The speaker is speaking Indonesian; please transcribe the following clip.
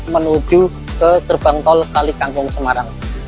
menuju ke gerbang tol kalikangkung semarang